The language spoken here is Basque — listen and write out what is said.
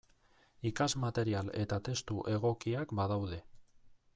Ikasmaterial eta testu egokiak badaude.